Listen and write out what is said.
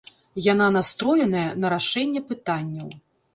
Яна настроеная на рашэнне пытанняў.